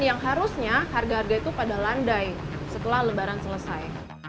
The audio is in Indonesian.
yang harusnya harga harga itu pada landai setelah lebaran selesai